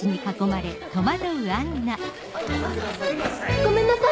ごめんなさい！